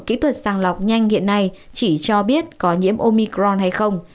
kỹ thuật sàng lọc nhanh hiện nay chỉ cho biết có nhiễm omicron hay không